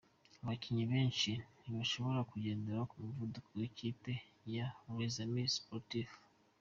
Abakinnyi benshi ntibashoboye kugendera ku muvuduko w’ikipe ya Les Amis Sportifs.